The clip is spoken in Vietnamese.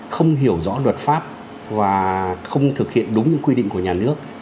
không hiểu rõ luật pháp và không thực hiện đúng quy định của nhà nước